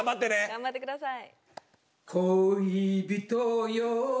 頑張ってください。